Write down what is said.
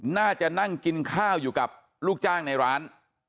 นั่งกินข้าวอยู่กับลูกจ้างในร้าน